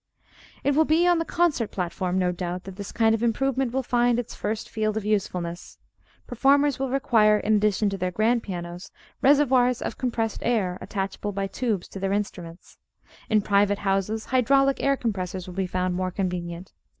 It will be on the concert platform, no doubt, that this kind of improvement will find its first field of usefulness. Performers will require, in addition to their grand pianos, reservoirs of compressed air attachable by tubes to their instruments. In private houses hydraulic air compressors will be found more convenient.